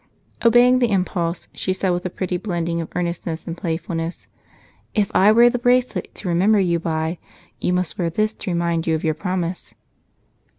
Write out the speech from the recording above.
Obeying the impulse, she said, with a pretty blending of earnestness and playfulness, "If I wear the bracelet to remember you by, you must wear this to remind you of your promise."